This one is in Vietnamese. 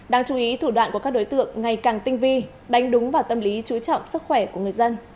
đáng chú ý thủ đoạn của các đối tượng ngày càng tinh vi đánh đúng vào tâm lý chú trọng sức khỏe của người dân